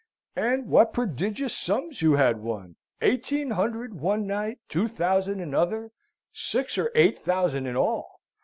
" And what prodigious sums you had won. Eighteen hundred one night two thousand another six or eight thousand in all!